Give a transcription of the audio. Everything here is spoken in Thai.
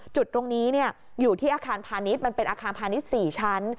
จุดตรงนี้อยู่ที่อาคารพาณิชย์มันเป็นอาคารพาณิชย์๔ชั้น